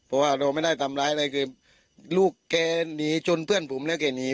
เพราะว่าเราไม่ได้ทำร้ายอะไรคือลูกแกหนีจนเพื่อนผมแล้วแกหนี